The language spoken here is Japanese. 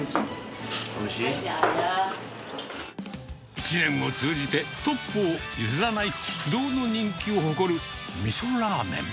一年を通じて、トップを譲らない不動の人気を誇る、みそらーめん。